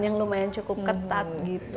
yang lumayan cukup ketat